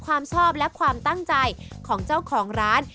ความชอบและความตั้งใจของเจ้าของร้าน